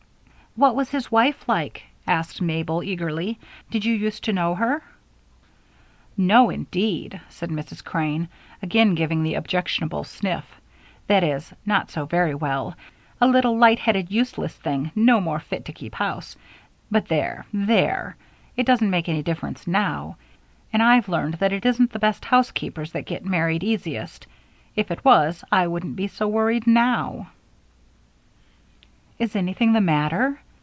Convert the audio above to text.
"What was his wife like?" asked Mabel, eagerly. "Did you use to know her?" "No, indeed," said Mrs. Crane, again giving the objectionable sniff. "That is, not so very well a little light headed, useless thing, no more fit to keep house but there! there. It doesn't make any difference now, and I've learned that it isn't the best housekeepers that get married easiest. If it was, I wouldn't be so worried now." "Is anything the matter?"